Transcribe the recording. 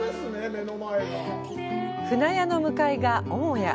舟屋の向かいが母家。